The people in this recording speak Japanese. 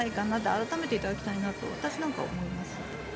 改めていただきたいなと私なんかは思います。